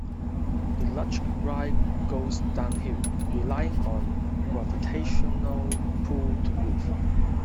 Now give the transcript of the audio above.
The luge ride goes downhill, relying on gravitational pull to move.